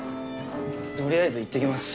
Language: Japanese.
とりあえず行ってきます。